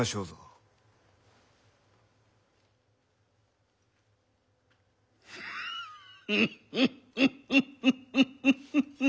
フッフフフフフフ。